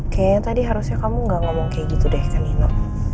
kayanya tadi harusnya kamu gak ngomong kayak gitu deh kan ino